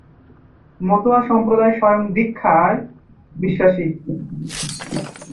মতুয়া সম্প্রদায় "স্বয়ং দীক্ষা"-য় বিশ্বাসী।